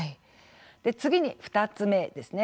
次に２つ目です。